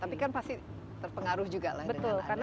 tapi kan pasti terpengaruh juga lah dengan